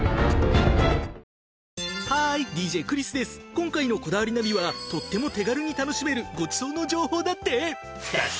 今回の『こだわりナビ』はとっても手軽に楽しめるごちそうの情報だって！